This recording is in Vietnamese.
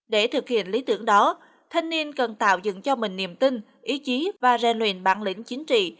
để thực hiện lý tưởng đó thanh niên cần tạo dựng cho mình niềm tin ý chí và rèn luyện bản lĩnh chính trị